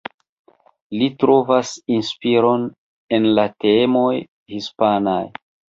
Li trovas inspiron en la temoj hispanaj.